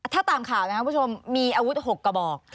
ถ้าตามข่าวนะครับคุณผู้ชมมีอาวุธ๖กระบอก